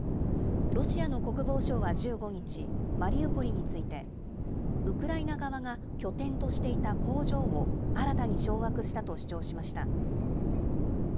ロシアの国防省は１５日、マリウポリについて、ウクライナ側が拠点としていた工場を新たに掌握したと主張しました。